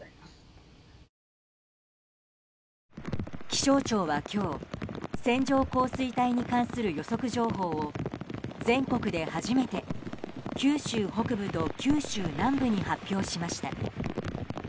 気象庁は今日線状降水帯に関する予測情報を全国で初めて、九州北部と九州南部に発表しました。